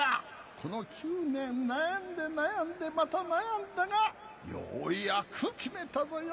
この９年悩んで悩んでまた悩んだがようやく決めたぞよ。